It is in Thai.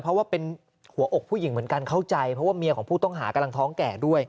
เพราะว่าเป็นหัวอกผู้หญิงเหมือนกันเข้าใจเพราะว่าเมียของผู้ต้องหากำลังท้องแก่ด้วย